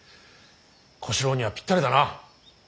小四郎にはぴったりだな。